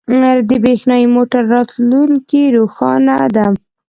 • د برېښنايی موټرو راتلونکې روښانه ده.